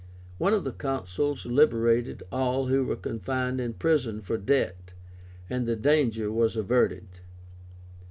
One of the Consuls liberated all who were confined in prison for debt, and the danger was averted.